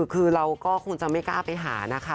คือเราก็คงจะไม่กล้าไปหานะคะ